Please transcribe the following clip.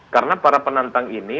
karena para penantang ini